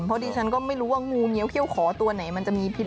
เพราะดิฉันก็ไม่รู้ว่างูเงี้ยเขี้ยขอตัวไหนมันจะมีพิษ